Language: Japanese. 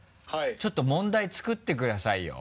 ちょっと問題作ってくださいよ。